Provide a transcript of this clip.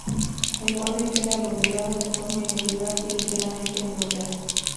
El borde queda lobulado de forma irregular y ligeramente enrollado.